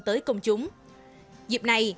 tới công chúng dịp này